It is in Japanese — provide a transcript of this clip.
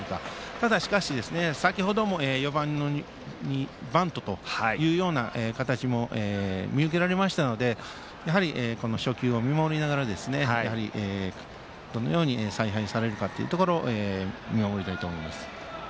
ただしかし先程も４番にバントという形も見受けられましたので初球を見ながらどのように采配されるか見守りたいと思います。